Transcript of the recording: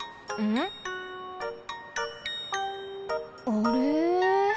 あれ？